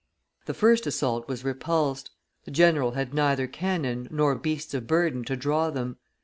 The first assault was repulsed; the general had neither cannon nor beasts of burden to draw them.